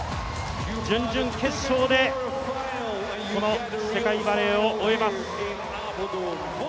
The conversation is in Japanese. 準々決勝でこの世界バレーを終えます。